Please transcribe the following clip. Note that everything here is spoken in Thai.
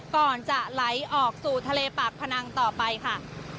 ก่อนจะไหลออกสู่ทะเลปากพนังต่อไปค่ะ